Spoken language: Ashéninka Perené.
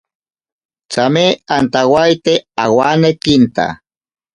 Tsame antawaite awanekinta.